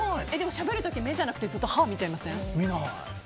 しゃべる時、目じゃなくて歯を見ちゃいません？